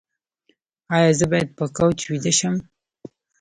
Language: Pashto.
ایا زه باید په کوچ ویده شم؟